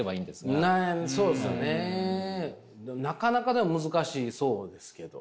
なかなかでも難しそうですけど。